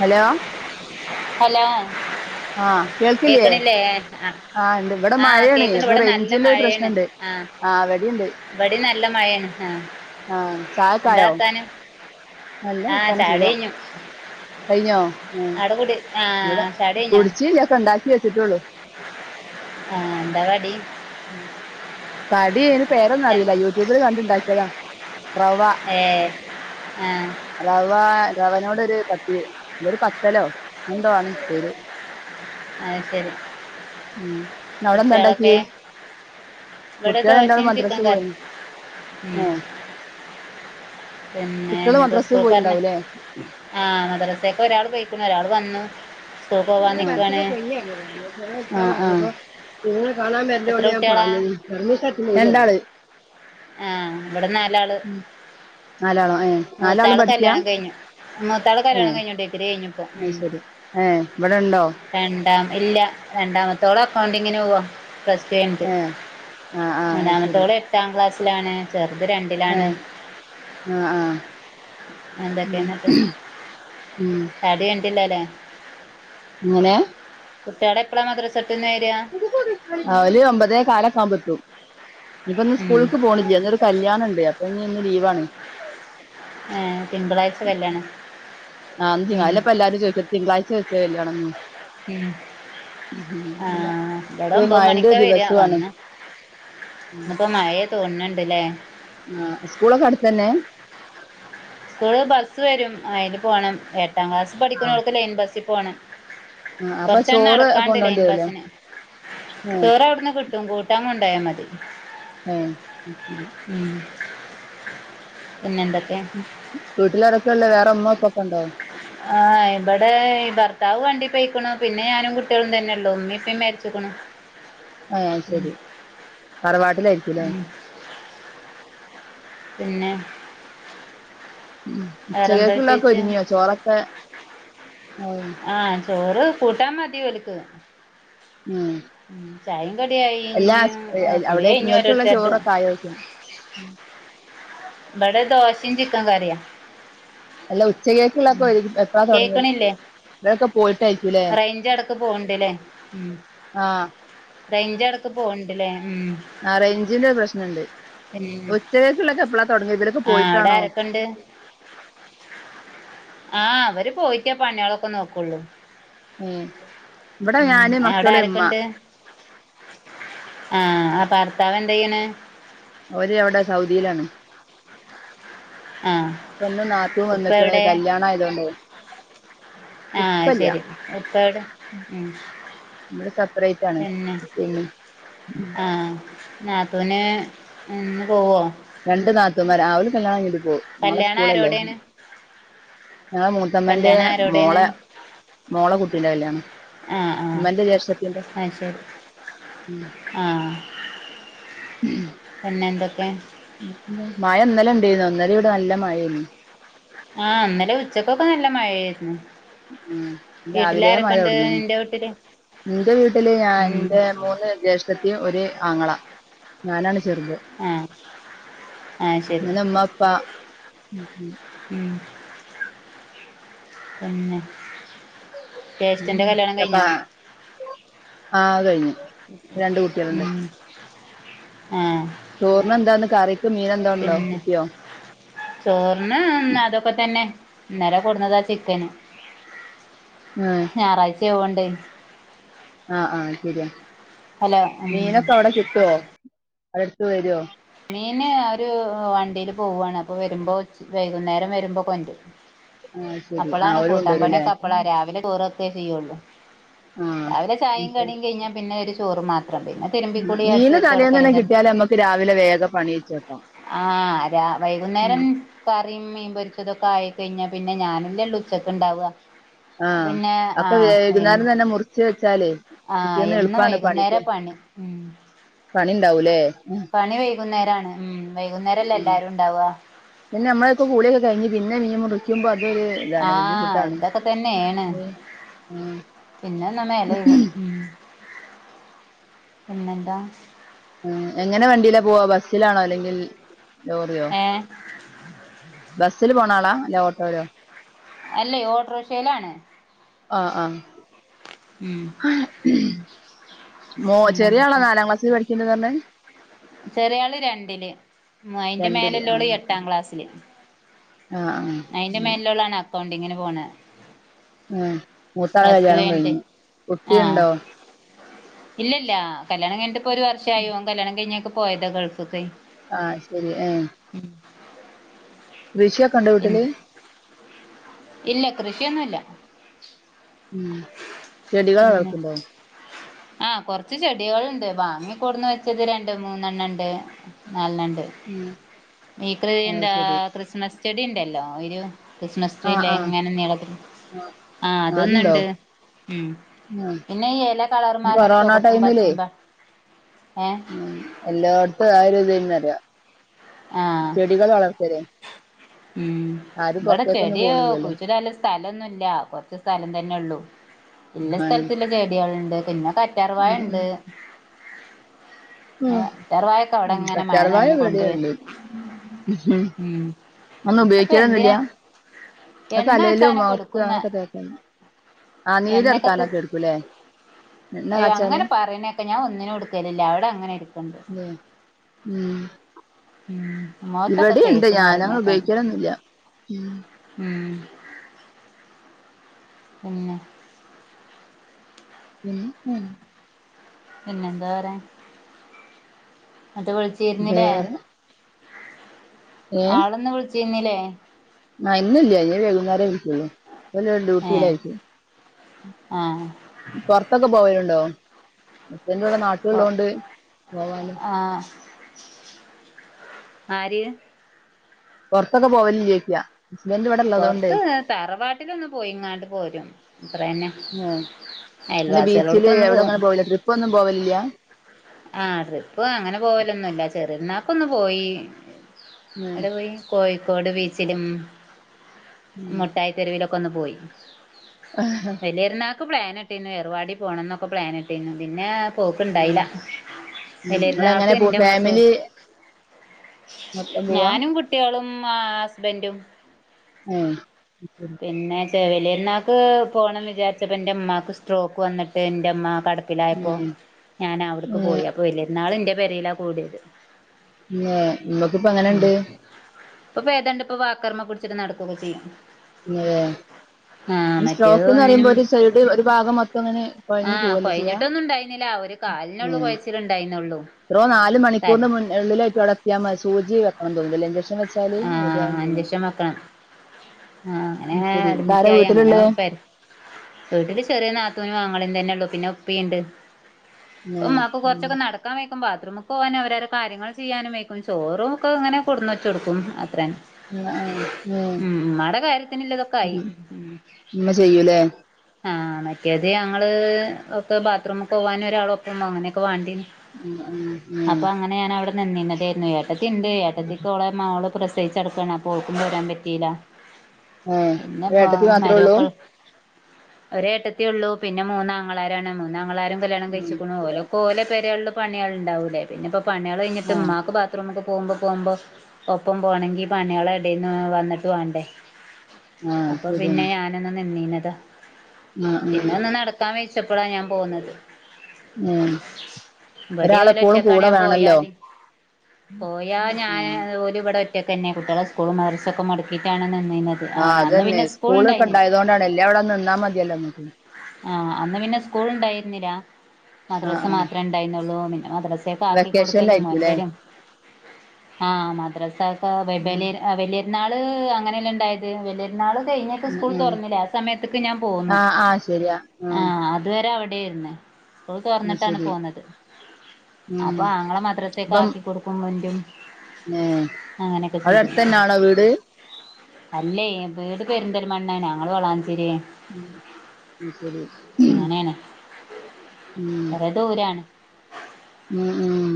Hello hello ആ കേൾക്കില്ലേ കേക്കണില്ലേ ആ ആഹ് ഇണ്ട് ഇവിടെ ആ മഴയാണ് കേക്കുന്നൊണ്ട് അപ്പൊ ഇവിടെ നല്ല റേഞ്ചിന്റെ മഴയാണ് പ്രശ്നണ്ട് ആ ആഹ് ഇവിടിണ്ട് ഇവിടെ നല്ല മഴയാണ് ഹ ആ ചായക്കെയോ നല്ല ആ വർത്താനം ചാടി സുഖം കഴിഞ്ഞു കഴിഞ്ഞോ ആ അവിടെ കൂടി ആ ഇവിടെ ചാടി കഴിഞ്ഞോ കുടിച്ചില്ല ഒക്കെ ഉണ്ടാക്കി വെച്ചിട്ടേയുള്ളു ആ എന്താകടി കടിഇതിന് പേരൊന്നും അറിയില്ല യൂട്യൂബില് കണ്ടുണ്ടാക്കിയതാ റവ ഏ ആ റവ റവനോട് ഒരു പത്ത് ഒരു പത്തല്ലോ അങ്ങനെ എന്തോ ആണ് പേര് അത് ശരി മം ഇന്ന് അവിടെന്താ കുട്ടികളൊക്കെ ഉണ്ടാക്കിയേ ഇവിടെ ദോശയും ചിക്കൻ കറി ഉം ഏഹ് പിന്നെ കുട്ടികള് ഇനിയിപ്പോ മദ്രസ സ്കൂൾക്കാരനെ പോയിണ്ടാവൂല്ലേ ആ മദ്ര സെക്ക് ഒരാള് പോയിക്കന്നു ഒരാള് വന്നു സ്കൂൾ പോവാൻ നിൽക്കുവാണ് [unintelligible] കുഞ്ഞായിരുന്നുതോന്നുന്നു മൂത്തവള് [unintelligible] കാണാൻ എത്ര വരണ്ടോണ്ട് ഞാൻ കുട്ടികളാ പറഞ്ഞിരുന്നു രണ്ടാള് ആ ഇവിടെ നാലാള് നാലാളോ ഏ നാലാളും മൂത്താള് പഠിക്കാ കല്യാണം കഴിഞ്ഞു മൂത്താള് കല്യാണം കഴിഞ്ഞു ഡിഗ്രി കഴിഞ്ഞ ആ ശരി ഏ ഇവിടുണ്ടോ രണ്ട ഇല്ല രണ്ടാമത്തോള് അക്കൗണ്ടിങ്ങനെ പോവാ പ്ലസ് ടു കഴിഞ്ഞിട്ട് ഏ ആ ആ മൂന്നാമത്തവള് എട്ടാം ക്ലാസ്സിലാണ് ചേർ അ ആ ആ ഉം എന്തൊക്കെയാ എന്നിട്ട് ഉം പിള്ളേരാ എങ്ങനെയാ കുട്ടികളെ എപ്പളാ മദ്രസക്ക് അവല് ഒമ്പതേകാലൊക്കെ ആമ്പോ എത്തും ഇന്നിപ്പോ ഇന്ന് ഉം സ്കൂളിലക്ക് പോണില്ലേ ഇന്നൊരു കല്യാണമൊ ണ്ട് അപ്പൊ ഇനി ഇന്ന് ലീവാണ് ഏ തിങ്കളാഴ്ച്ച കല്യാണം ആ അജ് ഉം അല്ലപ്പോ എല്ലാരും ചോദിക്കും തിങ്കളാഴ്ച്ച വെച്ചേ കല്യാണന്ന് ആ ഇവിടെ ഒമ്പത് മഴന്റെ മണിക്കാ റെഡി ദിവസമാണ് ആവാന്ന് ഇന്നിപ്പോ മഴയാ തോന്നുന്നുണ്ടല്ലേ ആ സ്കൂളൊക്കെ അടുത്ത് തന്നെ സ്കൂള് ബസ്സ് വരും അതിന് പോകണം എട്ടാം ക്ലാസ് ആ പഠിക്കുന്നവൾക്ക് ലൈൻ ബസ്സിൽ പോകണം ആ അപ്പൊ കൊറച്ചെങ്ങ് ചോറ് നടക്കാനുണ്ട് കൊണ്ടോണ്ടി ലൈൻ വരൂലേ ബസിന് ഏ ചോറ് അവിടുന്ന് കിട്ടും കൂട്ടാൻ കൊണ്ടോയാൽ മതി ആ ഉ ഉ പിന്നെ എന്തൊക്കെ അതല്ല. വേറെ ഉമ്മ ഉപ്പ ഒക്കെയുണ്ടോ ആ ഇവിടെ ഭർത്താവ് വണ്ടി പോയിക്കണു. പിന്നെ ഞാനും കുട്ടികളും തന്നെയുള്ളൂ. ഉമ്മേം ഉപ്പേം മരിച്ചു. ക്കണൂ. ആ അത് ശരി. തറവാട്ടിലായിരിക്കൂലേ ഉം പിന്നെ ഉ ഉച്ച വേറെന്താ കേക്കുള്ള ഒക്കെ വിശേഷിച്ച് ഒരുങ്ങിയോ ചോറൊക്കെ ആയോ ആ ചോറ് കൂട്ടാൻ മതി ഇവരക്ക് ഉം എല്ലാ ഇഞ്ഞ് അയില് കുടി അവിടെ കഴിഞ്ഞു നിങ്ങൾക്കുള്ള ഓരോരുത്തര്ത് ചോറൊക്കെ ആയോ ചോയ്ക്കാണ്. ഇവിടെ ദോശയും ചിക്കൻ കറിയാ. അല്ല ഉച്ചകേക്കുള്ള ഉം ഉരുങ്ങി എപ്പഴാ തുടങ്ങിയത്. കേക്കണില്ലേ ഇവരൊക്കെ പോയിട്ടായിരിക്കൂലേ റേഞ്ച് എടക്ക് പോവ്ണ്ട്ല്ലേ ആ റെയ്ഞ്ച് എടക്ക് പോവണ്ടല്ലേ. ആ റേഞ്ചിന്റെ പ്രശ്നം ഉണ്ട്. ഉച്ചകേക്കുള്ള എപ്പളാ കഴി ആ അവിടെ ആരൊക്കെ ഇണ്ട്. ആ അവര് പോയിട്ടാ പണികളൊക്കെ നോക്കുള്ളൂ. ഏ ഇവിടെ ഉം ഞാന് അവിടെ മക്കള് ആരൊക്കെ ഇമ്മ ഇണ്ട്. ആ ഭർത്താവ് എന്താ ചെയ്യണേ. അവര് അവിടെ സൗദിയിലാണ്. ആഹ് ഇപ്പെന്ന് നാത്തൂൻ ഉപ്പ വന്നേക്കണ് കല്യാണം ആയതോണ്ടെ. ആ ശരി. ഉപ്പാ എവിടെ നമ്മള് സെപ്പറേറ്റ് ആണ് പിന്നെ പിന്നെ ആ നാത്തൂന് ഇന്ന് പോവോ? രണ്ടു നാത്തൂൻമാരാ. [unintelligible] കല്യാണം കഴിഞ്ഞിട്ട് പോം നാളെ കല്യാണം സ്കൂളല്ലേ. ആരോടെയാണ് ഞങ്ങളെ മൂത്തമ്മാൻ്റെ കല്യാണം ആരോടെയാണ് മോളെ മോളെ കുട്ടീന്റെ കല്യാണം. ആഹ് ഉമ്മാൻ്റെ ജേഷ്ഠത്തീൻ്റെ ആ പിന്നെ എന്തൊക്കെ മഴ ഇന്നലെ ഇണ്ടേരുന്നു. ഇന്നലെ ഇവിടെ നല്ല മഴാന്നി. ആ ഇന്നലെ ഉച്ചക്കൊക്കെ നല്ല മഴയായിരുന്നു. ഉ രാവിലെ മഴ വീട്ടിലാരൊക്കെണ്ട് തുടങ്ങീനി. നിന്റെ വീട്ടില് എൻ്റെ വീട്ടില് ഞാൻ ഉം എൻ്റെ മൂന്ന് ജ്യേഷ്ഠത്തിയും ഒരു ആങ്ങള ഞാനാണ് ചെറുത്. ആഹ് ആഹ് ശരി ഉമ്മ ഉപ്പാ ഉം പിന്നെ ജ്യേഷ്ഠൻ്റെ കല്യാണം ഒക്കെ കഴിഞ്ഞോ? ആ കഴിഞ്ഞു. ഇപ്പരണ്ടു കുട്ടികളുണ്ട്. ആ ചോറിന് എന്താന്ന് കറി? പിന്നെ ചോറിന് അന്നതൊക്കെ തന്നെ. ഇന്നലെ കൊൺന്നതാ ചിക്കന് ഞായറാഴ്ചയാവു ണ്ടെ ആ ആ ശരിയാ. ഉം മീനൊക്കെ അവിടെ കിട്ടുവോ? അവരടുത്ത് വരോ? മീന് ഒരു വണ്ടീല് പോവാണ്. അപ്പൊ വരുമ്പോ വൈകുന്നേരം വരുമ്പോ കൊണ്ടു ആ ശരി ആ അപ്പളാണ് ഓര് കൂട്ടാൻ കൊണ്ടുവരൂല്ലേ പണിയൊക്കെ അപ്പളാ. രാവിലെ ചോറ് വെ ക്കേചെയ്യുള്ളൂ. ആ രാവിലെ ചായയും ഉം. കടിയും കഴിഞ്ഞാ പിന്നെ ഒരു ചോറ് മാത്ര മീന് തലേന്ന് തന്നെ കിട്ടിയാലേ നമ്മുക്ക് രാവിലെ വേഗം പണി കഴിച്ചു വെ ആ രാ വൈകുന്നേരം കറിയും മീൻ പൊരിച്ചതൊക്കെ ആയി കഴിഞ്ഞാ പിന്നെ ഞാനല്ലേള്ള ഉച്ച ഒക്കെ ഉണ്ടാവുക ആഹ പിന്നെ അക്കെ വൈകുന്നേരം തന്നെ മുറച്ച് വെച്ചാലേ ആഹ പിറ്റേന്ന് എന്നും എളുപ്പാണ് വൈകുന്നേര പണിക്ക് പണി ഉം പണി ഉണ്ടാവൂല്ലേ പണി വൈകുന്നേരമാണ് ഉ വൈകുന്നേരംല്ല എല്ലാരും ഉണ്ടാവവാ പിന്നെമ്മെക്കെ കൂടെിയൊെ കഴിഞ്ഞഞ് പിന്നെീൻ മുടിക്കുമ്പോ ആഹ ഇതൊക്കെ തന്നെയാണ് ഉം. ഉം. പിന്നെ എന്നാ മേല ഇകും ഉ പിെന്താ ഉ എങ്ങനെ വണ്ടിയില പോവാ ബസ്സിലാണോ അല്ലെങ്കിൽ ലോറിയോ ഏഹ് ബസ്സില് പോണ ആളാ അല്ല ഓട്ടോലോ? എല്ല ഓട്ട്ര ഷേലാണ്. ആഹ് ആഹ് ഉം ആഹ് ഉം മോ ചെറിയ ആളാ പിന്നെന്തൊക്കെ നാലാം ക്ലാസ്സിൽ പഠിക്ണ്ട്ന്ന് അർഞ്ഞെ? ചെറിയ ആള് രണ്ടില് മൊ അയ്ന്റെ രണ്ടില് ആ മേലെല്ലോള് എട്ടാം ശരി ക്ലാസ്സില്. ആഹ് അയിന്റെ ആഹ് മേൽല്ലോളാണ് അക്കൗണ്ട്ങ്ന് പോണെ ഉം മൂത്താളെ പ്ലസ് ടു കല്യാണം കഴിഞ്ഞിട്ട് കഴിഞ്ഞു കുട്ടിയുണ്ടോ? ഇല്ലല്ല കല്യാണം കഴിൻട്ട്പ്പോ ഒരു വർഷായി ഓൻ കല്യാണം കഴിഞ്ഞൊക്കെ പോയതാ ഗൾഫ്‌ക്ക്. ആഹ് ശരി എഹ് ഇൽ വീട്ടില് ഇല്ല കൃഷിയൊന്നുല്ല ഉം ചെടികളെ വളർത്ണ്ടോ? ആഹ് കൊർച്ച് ചെടികള്ണ്ട് വാങ്ങിക്കൂടുന്ന് വെച്ചത് രണ്ട് മൂന്നെണ്ണണ്ട്. നാൽനണ്ട് ഉം ഈക്ക് അത് എന്താ ശരി ക്രിസ്മസ് ചെടി ണ്ടല്ലോ ഒരു ക്രിസ്മസ് ആഹ് ട്രീയില്ലേ ആഹ് എങ്ങനെ നീളതി ആഹ് അതൊന്നുണ്ട് ഉം ആഹ് പിന്നെ ഈ എല ഈ വള്ളാർമാരൊരു കൊറോണ ചുവുകപ്പും ടൈമിലേ പച്ചീമ്പ ഉം എല്ലായിടത്തും ആര് ഇതന്നറിയ ആ ചെടികൾ വളർത്തരെ ഉം ഇവിടെ ചെടിയോ പോണില്ലല്ലോ കുഴിച്ചിടാൻ ഇല്ല സ്ഥലം ഒന്നുമില്ല കൊറച്ച് സ്ഥലം തന്നെള്ളു ഇല്ല ആഹ് സ്ഥലത്തിലുള്ള ചെടികളുണ്ട് പിന്നെ കറ്റാർവാായ ഉണ്ട് ഉ കറ്റാർവാഴൊക്കെ അവിടെ ഉ ഇങ്ങനെ മഴ കറ്റാർവായ നനഞ്ഞു ഇവിടിം കൊണ്ടുവ ഉണ്ട് ഉം ഒന്നും അപ്പൊ ഉപയോഗിക്കാലൊന്നില്ല എന്തിനാ എണ്ണ തലേലും വെച്ചാനൊക്കെ മുഖത്ത് എടുക്കുന്ന അങ്ങനക്കക്ക ആ എണ്ണയൊക്കെ നീര്റക്കാനൊക്കെ എടുക്കുംല്ലേ അയ്യോ അങ്ങനെ പറയണൊക്കെ ഞാൻ ഒന്നിനും എടുക്കലില്ല അവിടെ അങ്ങനെ ഇരിക്ക്ണ്ട് ല്ലേ ഉം ഉം മുഖത്തൊക്കെ തേക്കുന്നു പറിനെ ക്കാ തേക്കൽ ഒന്നുമില്ല ഉം ഉം പിന്ന ഉ ഉം പിന്നെന്താ പറ എന്നട്ട് വിളിച്ചിരുന്നില്ലേ വേറെ ഏ ആളൊന്ന വിളിച്ചിരുന്നില്ലേ ആ ഇന്നില്ല വേകുന്നേരം വിളിക്കോ ള്ളു ഡ്യൂട്ടിൽ ആയിരിക്കും ആ പുറത്തൊക്കെ പോവലുണ്ടോ ഹസ്ബൻഡ് ഇവിടെ അപ്പൊ നാട്ടിലുള്ളതുകൊണ്ട് പോവാലോ ആഹ് ആര് പുറത്തൊക്കെ പോവല് ഇല്ലേ ചോയി ക്ക പൊറത്ത് തറവാട്ടിലൊന്ന് പോയിങ്ങാട്ട് പോരും അത്ര തന്നെ ഏ അങ്ങനെ ബീച്ചില് എവിടെ അങ്ങനെ പോവല്ല ട്രിപ്പ് ഒന്നും പോവലില്ല ആ ട്രിപ്പ് അങ്ങനെ പോവലൊന്നുല്ല ചെറിയാക്കുന്നു പോയി ഏ അവിടെ പോയി കോഴിക്കോട് ബീച്ചിലും മുട്ടായിത്തെരുവിലൊക്കെ കൊന്ന്പോയി വല്യർ ന്നാക്ക് പ്ലാന ഇട്ടിന്ന് എറവാടി പോണംന്നൊക്കെ പ്ലൻിട്ടിന്ന പിന്നെ പോക്ക്ണ്ടായില്ല ഉം ഉം നിങ്ങളങ്ങനെ പോണ് ഫാമിലി മൊത്തം പോവാ ഞാനും കുട്ടികളും ആ ഹസ്ബൻറും ഉം പിന്നെ വല്യർന്നാക്ക് പോണംന്ന് വിചാരിച്ചപ്പോ എന്റെ ഇമ്മാക്ക് സ്ട്രോക്ക് വന്നിട്ട് എന്റെ ഇമ്മ് കട പ്പിലായപ്പോ ഏ ഞാൻ അവിടക്ക് ഏ പോയി അപ്പൊ വലിരുന്നാളും ഇന്റെ പേ രയിലാ കൂടിയത് തന്നെ ഇമ്മക്ക് ഇപ്പം ഉം എങ്ങനെണ്ട് ഇപ്പൊ പേതണ്ട് ഇപ്പൊ വാക്കർമ്മ പുടിച്ചിട്ട് നടക്കുക്കെ ചെയ്യും തന്നല്ലേ [unintelligible] ആ മറ്റേത് സ്ട്രോക്ക്ന്ന് പറയുമ്പോ ഒന്നിനും ഒരു സൈഡ് ഒരു ഭാഗം മൊത്തം അങ്ങനെ കുഴഞ്ഞു പോവല്ലോ ചെയ്യാം അവര് കാലിനുള്ളു കുഴച്ചില ണ്ടായിന്നള്ളു ത്രോ നാല് മണിക്കൂറിന്റെ മുന്നള്ളിലായിട്ട് അവിടെത്തയാ മതി സൂചി വെക്കണം തോന്നും ലേ ഇഞ്ചക്ഷൻ വെച്ചാല് ആ റെഡി ആവും തോന്നുന്നു ഇഞ്ചക്ഷൻ വെക്കണം ആ അങ്ങനെ ശരി അങ്ങനെഅഡ്മിറ്റ ഇതാരാ ആയി അങ്ങനെ വീട്ടിലുള്ളേ പെ വീട്ടില് ചെറിയ നാത്തൂനും ആങ്ങളിം തന്നെ ഉള്ളു പിന്നെ ഉപ്പിണ്ട് ഉം മ്മക്ക് കുറച്ചൊക്കെ ഉം നടക്കാ വെ ബാത്റൂമൊക്കവാന അവര കാര്യങ്ങൾ ചെയ്യാനുംക്കും ചോറും ഒക്കെ ഇങ്ങനെ കൊടുന്ന് വെച്ച കൊടുക്കും അത്രൻ ആ ഉം മ്മാടെ കാര്യത്തിനുള്ള തൊക്കെ ആയി ഉം ഉമ്മ ചെയ്യൂലേ ആ മറ്റേത് ഞങ്ങൾ ഒക്കെ ബാത്റൂമൊക്ക പോവാൻ ഒരാളപ്പം അങ്ങനെയൊക്കെ വാണ്ടി നി ഉ ഉം ഉം ന്നതായിരുന്നു ഏട്ടത്തി ഉണ്ട് ഏടത്തി പ്പം ഓള മകള് പ്രസ ട പ്രേച്ച്ടുക്കണ പോക്കുമ്പോ വരാൻ പറ്റില്ല ഏ ഇവിടെ പിന്നെപ്പോ ഏട്ടത്തി മാത്രേ ഉള്ളൂ മരൊക്കൾ ഒരേ ഏട്ടത്തി ഉള്ളൂ പിന്നെ മൂന്നാങ്ങളാരാണ് മൂന്നാങ്ങളാര് കല്യാണം ഉം കഴിച്ചിക്ണു ഓല ഓലെ പരെയുള്ള പണികൾ ഉണ്ടാവില്ലേ പിന്നെപ്പ പണിക കഴിഞ്ഞട്ട് ആ ഇമ്മാക്ക് ബാത്റൂമ് പോകുമ്പോ പോകുമ്പോ ഒപ്പം പോകണെങ്കിൽ പണികള എവിടെന്ന് വന്നിട്ട് പോണ്ടേ ആ അത് അപ്പൊ പിന്നെ ശരിയാണ് ഞാനൊന്ന് നിന്നീത് ആ ഉം പിന്നെ ഒന്ന് നടക്കാൻ വച്ച ഇഷ്ടപ്പെടാ ഞാൻ പോകുന്നത് ഉം ഇബടെ ഒരാളെപ്പോഴും ഒലെറ്റക്കാണ് കൂടെ ഞാൻ വേണല്ലോ പോയാല് പോയാ ഞാൻ ഉം ഓല് വടെ ഒറ്റക്കെന്നെ കുട്ടികളെ സ്കൂളും മദർശൊക്കെ മുടക്കിയിട്ടാണ് നിന്നിരുന്നത് ആ ആഹ് അന്ന് അതന്ന പിന്നെ സ്കൂൾ സ്കൂളൊ ഒക്കെ ഉണ്ടായിരുന്നില്ല ഉണ്ടായതുകൊണ്ടാണ് എല്ലാ എവിടെന്ന് നിന്നാ മതിയല്ലോ ന ആ അന്ന് പിന്നെ സ്കൂൾ ഉണ്ടായിരുന്നില്ല ആ മദ്രസ ആ മാത്രമേ ഉണ്ടായിരുന്നുള്ളൂ മദ്രസൊക്കെ ആക്കി കൊടുക്കലും വെക്കേഷനിലായിരിക്കും ല്ലേ [unintelligible] ആ മദ്രസക്കെ [unintelligible] വല ഉം വലിയ ഇന്നാൾ അങ്ങനെയല്ലാം ഉണ്ടായത് വലിയൊരുുന്നാൾ കഴിഞ്ഞക്ക് സ്കൂൾ ഉം തുറന്നില്ലേ ആ സമയത്ത് ഞാൻ പോന്നു ആഹ് ആഹ് ശരിയാ ആ ആഹ് അതുവരെ അവിടൊയിുന്ന സ്‌കൂൾ അത് തുറന്നിട്ടാണ് ശരി പോന്നുന്നത് ഉം അപ്പൊ ആങ്ങളെ മദ്രസേക്ക് ഇപ്പം ആക്കി കൊടുക്കും അങ്ങനെയൊക്കെ അവിടെ ചെയ്തിരുന്നു അടുത്തന്നൊണോ വീട് അല്ലേ വീട് പെരുന്തൽ മണ്ണണ് ഞങ്ങൾ വളാഞ്ചേ ശരി അത് ശരി ഉം അങ്ങനെ ണ് വറ ദൂരെയാണ് മം ഉം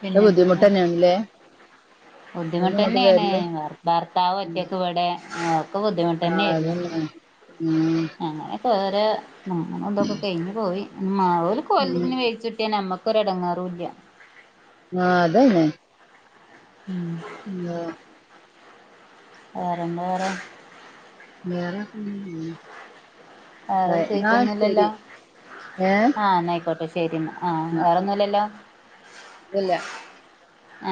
പിന്നെന്തൊക്കെ ബുദ്ധിമുട്ടന്നേണല്ലേ ബുദ്ധിമുട്ട് തന്നെയാണ് ഭർത്താവ് ഒറ്റൊക്കെ ഇവിടെ ഒക്കെ ബുദ്ധിമുട്ട് ആ തന്നെയായിരുന്നു അതന്ന ഉം വേറെ നങ്ങനെ എന്തൊക്കെ കഴിഞ്ഞ് പോയി മാവര് ഉം കൊലത്ത്ന്ന് വേിച്ചുട്ടിയ നമ്മക്ക് ഒരെടങ്ങേറൂല്ല്യ. ആഹ് അതന്നെ ഉം ആഹ് വേറെന്താവേറെ [unintelligible] ആ, വേറെ എന്നാ പ്രത്യേകിച്ചോന്നുല്ലല്ലൊ. ശരി ഏഹ് ആഹ് ന്നാ ആയിക്കോട്ടെ ശരിന്ന ആ വേറെൊന്നുല്ലല്ലോ ഇല്ല ആ